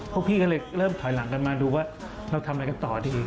พวกพี่ก็เลยเริ่มถอยหลังกันมาดูว่าเราทำอะไรกันต่อดี